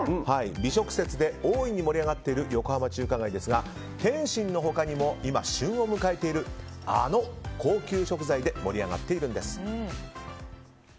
美食節で大いに盛り上がっている横浜中華街ですが点心の他にも今、旬を迎えているあの高級食材で盛り上がっているんです。